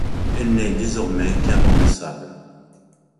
Elle n'est désormais qu'un banc de sable.